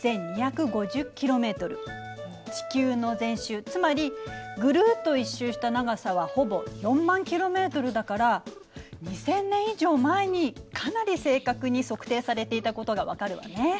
地球の全周つまりぐるっと１周した長さはほぼ４０，０００ｋｍだから２，０００年以上前にかなり正確に測定されていたことがわかるわね。